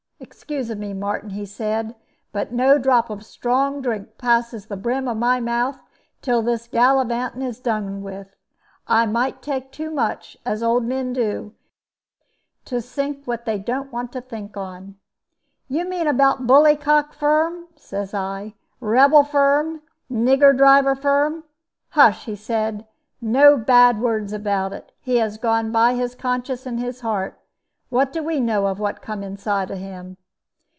'Excuse of me, Martin,' he said; 'but no drop of strong drink passes the brim of my mouth till this gallivanting is done with. I might take too much, as the old men do, to sink what they don't want to think on.' 'You mean about bully cock Firm,' says I; 'rebel Firm nigger driver Firm.' 'Hush!' he said; 'no bad words about it. He has gone by his conscience and his heart. What do we know of what come inside of him?'